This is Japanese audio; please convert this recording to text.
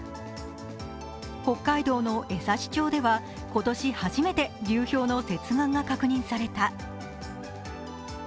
北海道の枝幸町では今年初めて流氷の接岸が確認された。